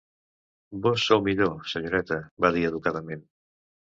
"Vós sou millor, senyoreta", va dir educadament.